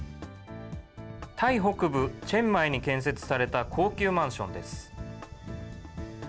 タイ北部チェンマイに建設された高級マンションです。